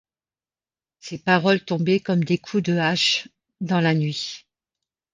Ses paroles tombaient comme des coups de hache, dans la nuit.